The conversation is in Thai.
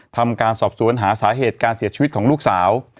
ทำการสอบสวนหาสาเหตุการเสียชีวิตของลูกสาว